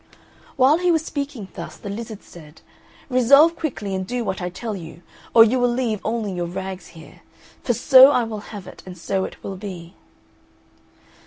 While he was speaking thus, the lizard said, "Resolve quickly and do what I tell you; or you will leave only your rags here. For so I will have it, and so it will be."